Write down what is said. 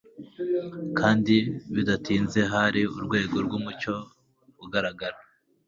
kandi bidatinze hasi urwego rwumucyo ugaragara